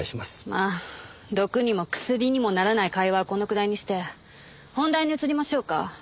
まあ毒にも薬にもならない会話はこのくらいにして本題に移りましょうか。